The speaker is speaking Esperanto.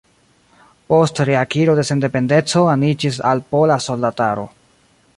Post reakiro de sendependeco aniĝis al Pola Soldataro.